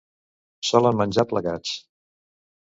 solen menjar plegats